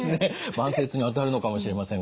慢性痛にあたるのかもしれませんが。